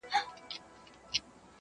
خړي خاوري د وطن به ورته دم د مسیحا سي--!